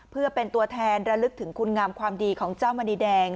เพื่อเป็นตัวแทนระลึกถึงคุณงามความดีของเจ้ามณีแดง